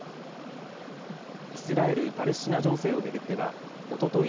イスラエル・パレスチナ情勢を巡ってはおととい